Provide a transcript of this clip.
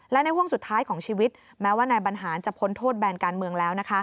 และในห่วงสุดท้ายของชีวิตแม้ว่านายบรรหารจะพ้นโทษแบนการเมืองแล้ว